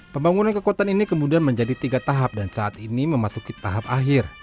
pembangunan kekuatan ini kemudian menjadi tiga tahap dan saat ini memasuki tahap akhir